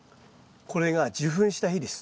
これが受粉した日です。